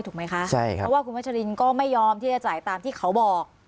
ถูกไหมคะใช่ครับเพราะว่าคุณวัชรินก็ไม่ยอมที่จะจ่ายตามที่เขาบอก